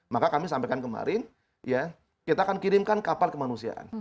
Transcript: maka kami sampaikan kemarin ya kita akan kirimkan kapal kemanusiaan